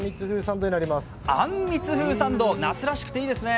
あんみつ風サンド、なつかしくっていいですね。